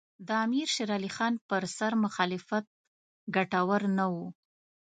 د امیر شېر علي خان پر سر مخالفت ګټور نه وو.